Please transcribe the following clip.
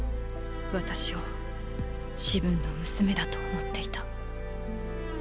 私を自分の娘だと思っていた。